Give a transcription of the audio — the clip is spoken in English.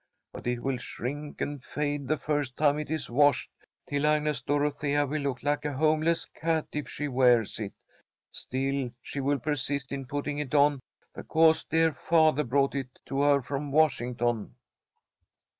But it will shrink and fade the first time it is washed till Agnes Dorothea will look like a homeless cat if she wears it. Still she will persist in putting it on because dear father brought it to her from Washington."